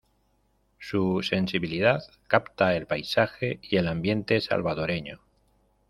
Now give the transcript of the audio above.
Su sensibilidad capta el paisaje y el ambiente salvadoreño.